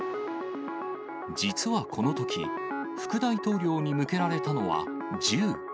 実はこのとき、副大統領に向けられたのは銃。